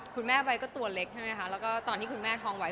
คุณแม่เธอตัวเล็กตอนที่คุณแม่ท้องไหว